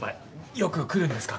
よく来るんですか？